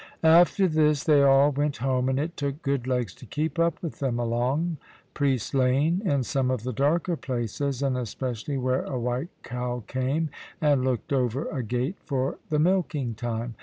After this, they all went home; and it took good legs to keep up with them along "Priest Lane," in some of the darker places, and especially where a white cow came, and looked over a gate for the milking time.